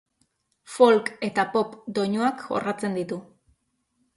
Folk eta pop doinuak jorratzen ditu.